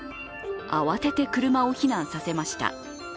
慌てて、車を避難させました。